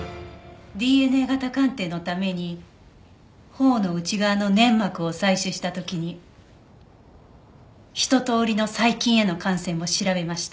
ＤＮＡ型鑑定のために頬の内側の粘膜を採取した時にひととおりの細菌への感染も調べました。